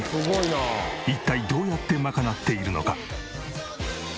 一体どうやって賄っているのか？